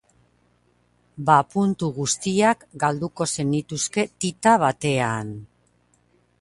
Ba puntu guztiak galduko zenituzke tita batean.